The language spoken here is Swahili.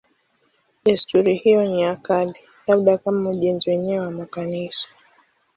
Desturi hiyo ni ya kale, labda kama ujenzi wenyewe wa makanisa.